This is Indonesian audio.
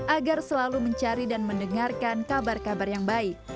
agar selalu mencari dan mendengarkan kabar kabar yang baik